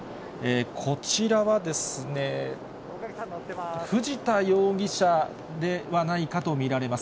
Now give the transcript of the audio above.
こちらはですね、藤田容疑者ではないかと見られます。